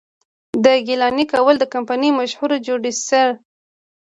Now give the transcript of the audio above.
د ګيلاني کول کمپني مشهور جوړي سر،